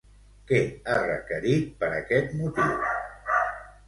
Què ha requerit, per aquest motiu?